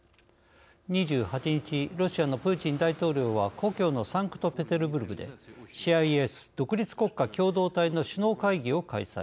２８日ロシアのプーチン大統領は故郷のサンクトペテルブルクでＣＩＳ＝独立国家共同体の首脳会議を開催